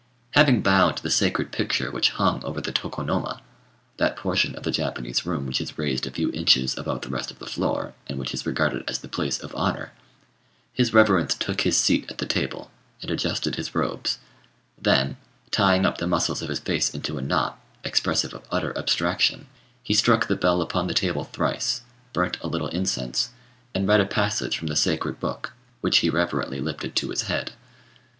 Having bowed to the sacred picture which hung over the tokonoma that portion of the Japanese room which is raised a few inches above the rest of the floor, and which is regarded as the place of honour his reverence took his seat at the table, and adjusted his robes; then, tying up the muscles of his face into a knot, expressive of utter abstraction, he struck the bell upon the table thrice, burnt a little incense, and read a passage from the sacred book, which he reverently lifted to his head.